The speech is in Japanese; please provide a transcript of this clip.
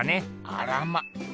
あらま。